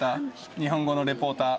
日本語のリポーター。